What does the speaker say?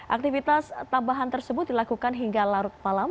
aktivitas tambahan tersebut dilakukan hingga larut malam